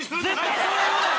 絶対それ言うなよ！